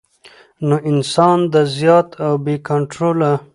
نو انسان د زيات او بې کنټروله